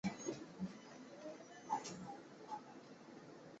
现已退隐歌坛。